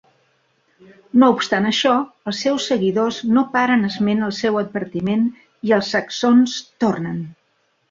No obstant això, els seus seguidors no paren esment al seu advertiment i els saxons tornen.